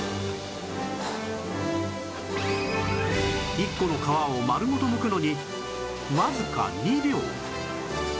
１個の皮を丸ごとむくのにわずか２秒